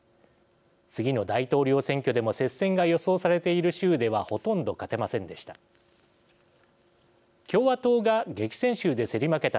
次の大統領選挙でも接戦が予想されている州ではほとんど勝てませんでした。